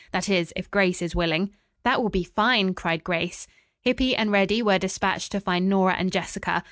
That is, if Grace is willing." "That will be fine," cried Grace. Hippy and Reddy were despatched to find Nora and Jessica.